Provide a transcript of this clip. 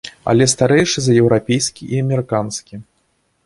Але старэйшы за еўрапейскі і амерыканскі.